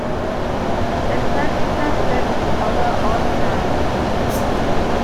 Its first president was Arthur Osman.